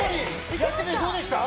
やってみてどうでした？